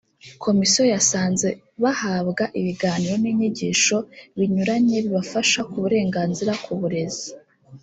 komisiyo yasanze bahabwa ibiganiro n’inyigisho binyuranye bibafasha ku burenganzira ku burezi